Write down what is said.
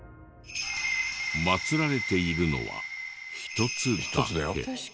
祭られているのは１つだけ。